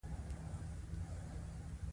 دښمن د ځان د بربادۍ لاره هواروي